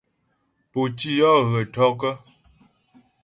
Pǒ tî yɔ́ hə̀ tɔ́' ?